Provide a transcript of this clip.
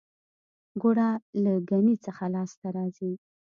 ګوړه له ګني څخه لاسته راځي